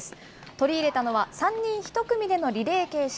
取り入れたのは、３人１組でのリレー形式。